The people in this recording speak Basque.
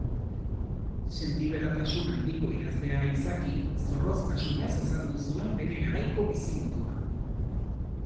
Sentiberatasun handiko idazlea izaki, zorroztasunez azaldu zuen bere garaiko bizimodua.